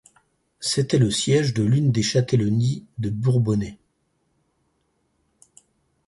C'était le siège de l'une des châtellenies du Bourbonnais.